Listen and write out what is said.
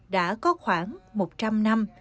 đã có khoảng một trăm linh năm